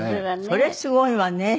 それすごいわね。